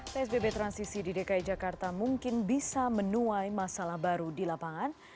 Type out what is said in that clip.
psbb transisi di dki jakarta mungkin bisa menuai masalah baru di lapangan